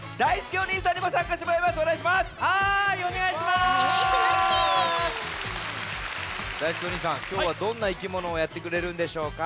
きょうはどんないきものをやってくれるんでしょうか？